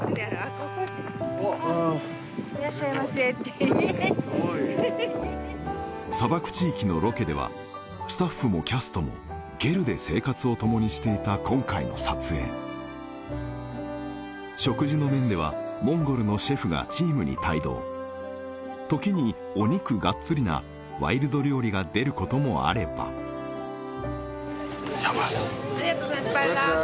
ここっていらっしゃいませって・すごい砂漠地域のロケではスタッフもキャストもゲルで生活を共にしていた今回の撮影食事の面では時にお肉がっつりなワイルド料理が出ることもあればヤバいありがとう